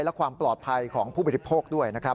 และความปลอดภัยของผู้ปฏิภพกรุ่งด้วยนะครับ